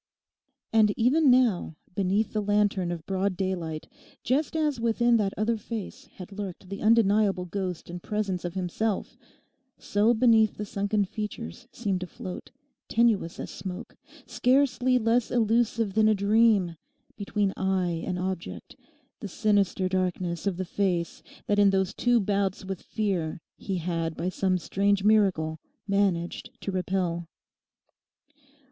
And even now, beneath the lantern of broad daylight, just as within that other face had lurked the undeniable ghost and presence of himself, so beneath the sunken features seemed to float, tenuous as smoke, scarcely less elusive than a dream, between eye and object, the sinister darkness of the face that in those two bouts with fear he had by some strange miracle managed to repel.